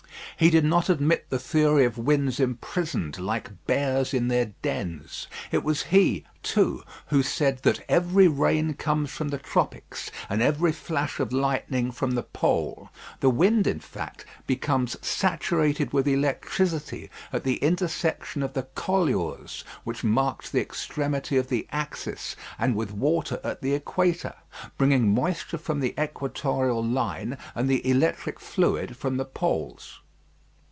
He did not admit the theory of winds imprisoned like bears in their dens. It was he, too, who said that "every rain comes from the tropics, and every flash of lightning from the pole." The wind, in fact, becomes saturated with electricity at the intersection of the colures which marks the extremity of the axis, and with water at the equator; bringing moisture from the equatorial line and the electric fluid from the poles.